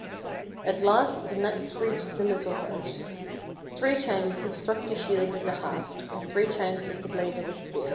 At last the knight reached the little hut. Three times he struck the shield with the haft and three times with the blade of his spear.